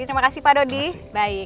terima kasih pak dodi